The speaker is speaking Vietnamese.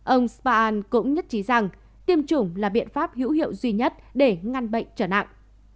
ông spa an cũng nhất trí rằng tiêm chủng là biện pháp hữu hiệu duy nhất để ngăn bệnh trở nặng